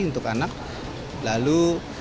untuk anak lalu